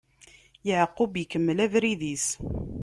Yeɛqub ikemmel abrid-is.